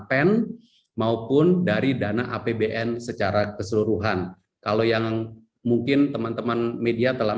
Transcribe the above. pen maupun dari dana apbn secara keseluruhan kalau yang mungkin teman teman media telah